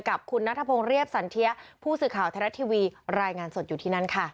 กับคุณนัทพงศ์เรียบสันเทียผู้สื่อข่าวไทยรัฐทีวีรายงานสดอยู่ที่นั่นค่ะ